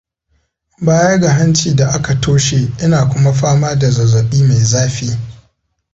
Baya ga hanci da aka toshe, Ina kuma fama da zazzabi mai zafi.